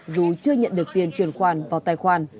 dù chưa nhận được tiền truyền khoản vào tài khoản